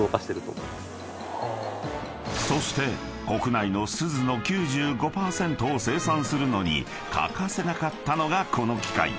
［そして国内の錫の９５％を生産するのに欠かせなかったのがこの機械］